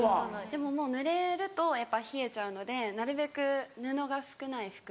でももうぬれるとやっぱ冷えちゃうのでなるべく布が少ない服。